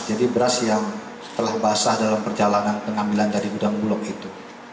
jadi beras yang telah basah dalam perjalanan pengambilan dari gudang bulog itu